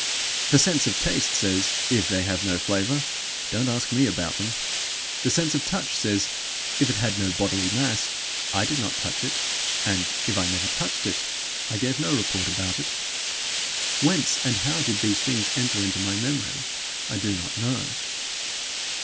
The sense of taste says, "If they have no flavor, don't ask me about them." The sense of touch says, "If it had no bodily mass, I did not touch it, and if I never touched it, I gave no report about it." Whence and how did these things enter into my memory? I do not know.